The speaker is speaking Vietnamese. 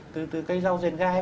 từ cây rau rền gai